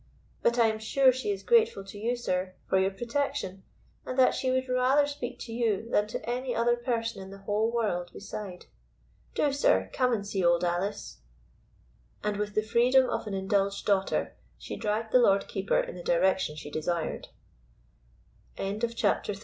But I am sure she is grateful to you, sir, for your protection, and that she would rather speak to you than to any other person in the whole world beside. Do, sir, come and see Old Alice." And with the freedom of an indulged daughter she dragged the Lord Keeper in the direction she desired. CHAPTER IV.